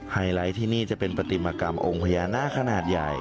ไฮไลท์ที่นี่จะเป็นปฏิมากรรมองค์พญานาคขนาดใหญ่